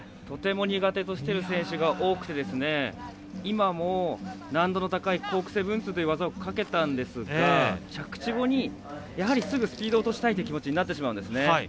とても苦手としている選手が多く今も難度の高いコーク７２０という技をかけたんですが着地後に、やはりすぐスピードを落としたいっていう気持ちになるんですね。